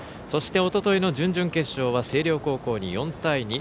そして、おとといの準々決勝は星稜高校に４対２。